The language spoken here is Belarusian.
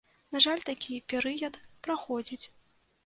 На жаль, такі перыяд праходзіць.